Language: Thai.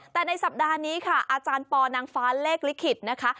แต่ในสัปดาห์นี้ค่ะอาจารย์ปอนางฟ้าเลขลิขิตนะคะ